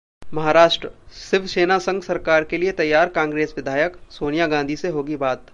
महाराष्ट्र: शिवसेना संग सरकार के लिए तैयार कांग्रेस विधायक, सोनिया गांधी से होगी बात